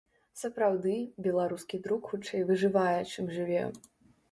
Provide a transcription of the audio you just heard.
Сапраўды, беларускі друк хутчэй выжывае, чым жыве.